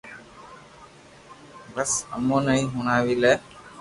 بس امو ني ھي ھڻاو وي لي